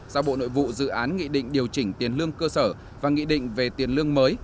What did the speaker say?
giao bộ nội vụ dự án nghị định điều chỉnh tiền lương cơ sở và nghị định về tiền lương mới